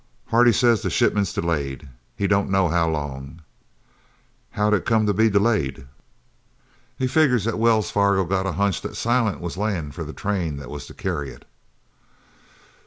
"Hardy says the shipment's delayed. He don't know how long." "How'd it come to be delayed?" "He figures that Wells Fargo got a hunch that Silent was layin' for the train that was to carry it."